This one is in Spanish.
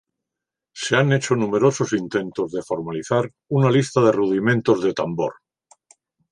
Se han hecho numerosos intentos de formalizar una lista de rudimentos de tambor.